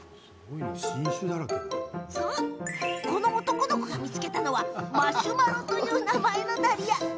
この男の子が見つけたのはマシュマロという名前のダリア。